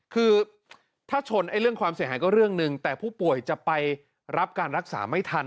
คือถ้าชนเรื่องความเสียหายก็เรื่องหนึ่งแต่ผู้ป่วยจะไปรับการรักษาไม่ทัน